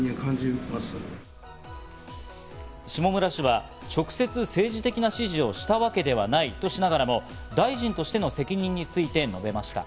下村氏は直接政治的な指示をしたわけではないとしながらも、大臣としての責任について述べました。